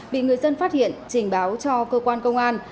bị người dân phát hiện trình báo cho cơ quan công an